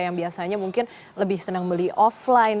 yang biasanya mungkin lebih senang beli offline